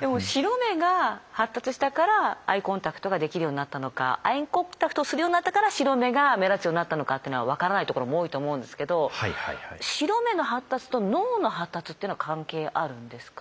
でも白目が発達したからアイコンタクトができるようになったのかアイコンタクトをするようになったから白目が目立つようになったのかっていうのは分からないところも多いと思うんですけど白目の発達と脳の発達っていうのは関係あるんですか？